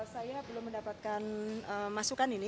saya belum mendapatkan masukan